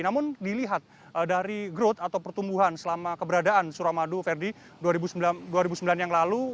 namun dilihat dari growth atau pertumbuhan selama keberadaan suramadu verdi dua ribu sembilan yang lalu